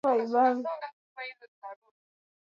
Wamebuni kifaa cha kudhibiti uchafuzi wa hewa